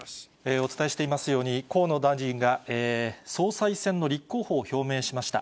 お伝えしていますように、河野大臣が総裁選の立候補を表明しました。